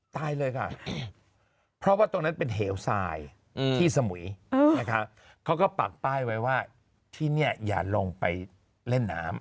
ตายเลยค่ะเพราะว่าตรงนั้นเป็นเหวทรายที่สมุยนะคะเขาก็ปักป้ายไว้ว่าที่นี่อย่าลงไปเล่นน้ำ